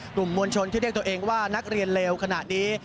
มวลชนที่เรียกตัวเองว่านักเรียนเลวขณะนี้